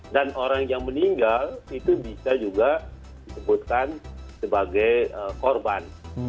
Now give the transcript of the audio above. orang yang meninggal itu bisa juga disebutkan sebagai korban